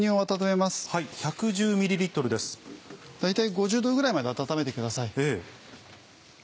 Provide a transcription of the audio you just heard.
大体５０℃ぐらいまで温めてください。